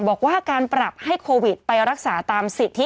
บอกว่าการปรับให้โควิดไปรักษาตามสิทธิ